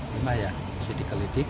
minta ya disedi ke lidik